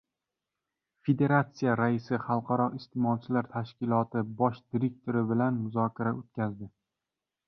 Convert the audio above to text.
Federatsiya raisi Xalqaro iste’molchilar tashkiloti bosh direktori bilan muzokara o‘tkazdi